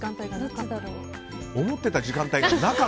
思ってた時間帯がない。